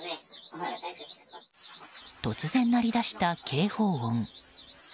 突然、鳴り出した警報音。